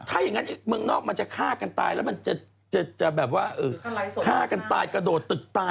ถ้าอย่างนั้นเมืองนอกมันจะฆ่ากันตายแล้วมันจะแบบว่าฆ่ากันตายกระโดดตึกตาย